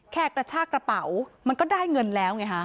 กระชากระเป๋ามันก็ได้เงินแล้วไงฮะ